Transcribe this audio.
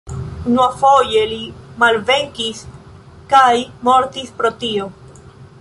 Unuafoje li malvenkis kaj mortis pro tio.